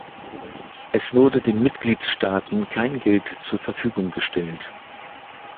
Es wurde den Mitgliedstaaten kein Geld zur Verfügung gestellt.